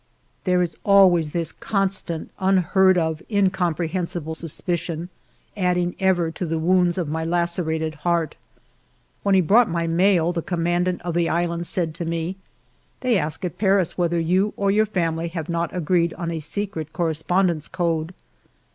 There is always this constant, unheard of, in comprehensible suspicion, adding ever to the wounds of my lacerated heart. When he brought my mail, the commandant of the islands said to me :—" They ask at Paris whether you or your family have not agreed on a secret correspondence code